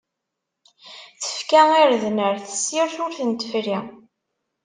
Tefka irden ar tessirt ur ten-tefri.